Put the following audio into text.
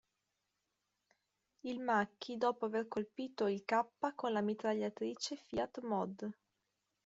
Il Macchi dopo aver colpito il K con la mitragliatrice Fiat Mod.